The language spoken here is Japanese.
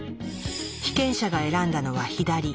被験者が選んだのは左。